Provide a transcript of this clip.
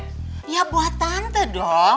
hai ya buat tante dong